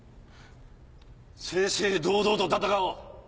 正々堂々と戦おう。